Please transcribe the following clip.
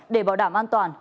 để bảo đảm an toàn